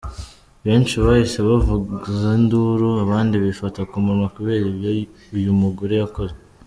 Benshi bahise bavuza induru abandi bifata ku munwa kubera ibyo uyu mugore yakoze.